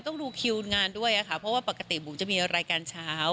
ต้องดูคิวงานด้วยค่ะเพราะว่าปกติบุ๋มจะมีรายการเช้า